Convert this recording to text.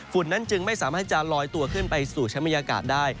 นั้นจึงไม่สามารถจะลอยตัวขึ้นไปสู่ชั้นบรรยากาศได้